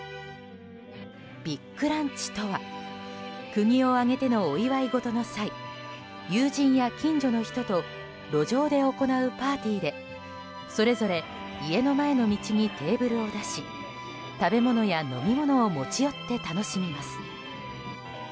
ビッグランチとは国を挙げてのお祝い事の際友人や近所の人と路上で行うパーティーでそれぞれ家の前の道にテーブルを出し食べ物や飲み物を持ち寄って楽しみます。